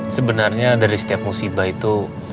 sebenarnya dari setiap musibah itu